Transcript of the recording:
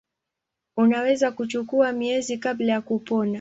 Unaweza kuchukua miezi kabla ya kupona.